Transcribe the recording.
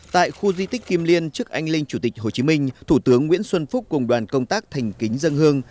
tại khu di tích kim liên trước anh linh chủ tịch hồ chí minh thủ tướng nguyễn xuân phúc cùng đoàn công tác thành kính dân hương